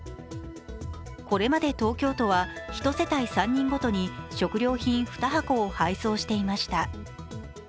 これまで東京都は１世帯３人ごとに食料品２箱を配送していました。